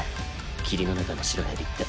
霧の中の白蛇って。